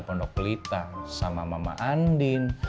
pondok pelita sama mama andin